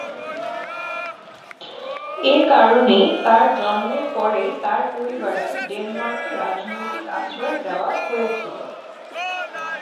এ কারণেই, তার জন্মের পরেই তার পরিবারকে ডেনমার্কে রাজনৈতিক আশ্রয় দেওয়া হয়েছিল।